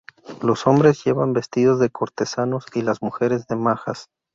Los hombres llevan vestidos de cortesanos y las mujeres de majas.